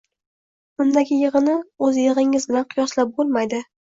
Undagi yig‘ini o‘z yig‘ingiz bilan qiyoslab bo‘lmaydi.